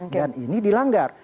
dan ini dilanggar